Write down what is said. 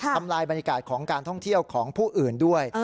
ทำลายบรรยากาศของการท่องเที่ยวของผู้อื่นด้วย